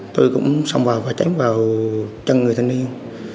tôi cũng xong rồi và chấm vào chân người thanh niên